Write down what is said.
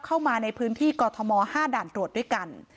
เข้ามาในพื้นที่กอทม๕ด่านตรวจด้วยกัน